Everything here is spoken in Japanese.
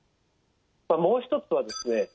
もう一つはですね